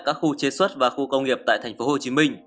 các khu chế xuất và khu công nghiệp tại thành phố hồ chí minh